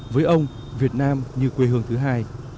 với ông việt nam như quê hương thứ hai